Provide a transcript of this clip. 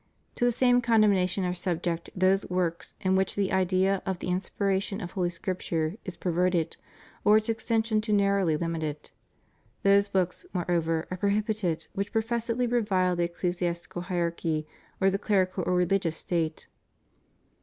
To the same con demnation are subject those works in which the idea of the inspiration of Holy Scripture is perverted, or its ex tension too narrowly limited. Those books, moreover, are prohibited which professedly revile the ecclesiastical hierarchy, or the clerical or religious state.